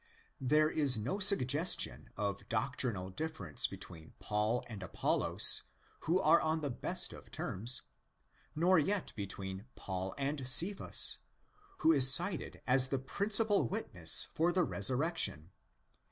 There is no suggestion of doctrinal difference between Paul and Apollos, who are on the best of terms, nor yet between Paul and Cephas, who is cited as the principal witness for the resurrection.